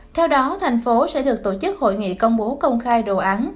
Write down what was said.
theo đó thành phố sẽ được tổ chức hội nghị công bố công khai đồ án